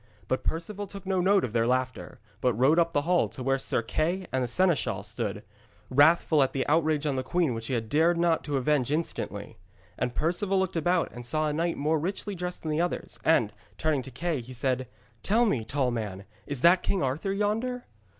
But Perceval took no note of their laughter, but rode up the hall to where Sir Kay the seneschal stood, wrathful at the outrage on the queen which he had not dared to avenge instantly. And Perceval looked about and saw a knight more richly dressed than the others, and, turning to Kay, he said: 'Tell me, tall man, is that King Arthur yonder?'